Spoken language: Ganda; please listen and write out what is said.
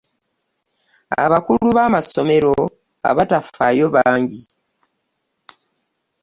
Abakulu b'amasomero abatafaayo bangi.